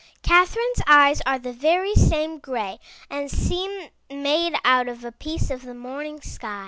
Catherine's eyes are the very same gray, and seem made out of a piece of the morning sky.